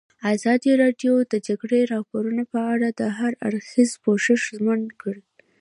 ازادي راډیو د د جګړې راپورونه په اړه د هر اړخیز پوښښ ژمنه کړې.